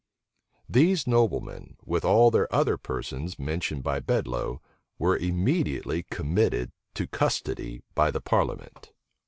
These noblemen, with all the other persons mentioned by Bedloe, were immediately committed to custody by the parliament.